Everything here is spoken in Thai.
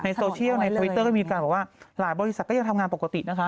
โซเชียลในทวิตเตอร์ก็มีการบอกว่าหลายบริษัทก็ยังทำงานปกตินะคะ